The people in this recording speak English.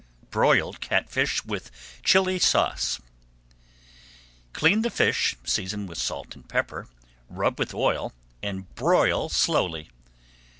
BROILED BLACKFISH WITH CHILLI SAUCE Clean the fish, season with salt and pepper, rub with oil, and broil slowly.